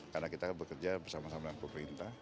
karena kita bekerja bersama sama dengan pemerintah